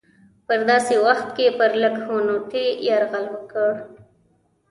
په داسې وخت کې پر لکهنوتي یرغل وکړ.